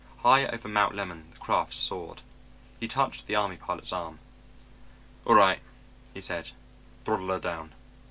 High over Mount Lemmon the craft soared. He touched the army pilot's arm. "All right," he said, "throttle her down."